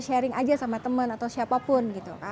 sharing aja sama temen atau siapapun